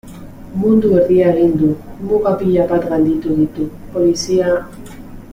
Mundu erdia egin du, muga pila bat gainditu ditu, polizia...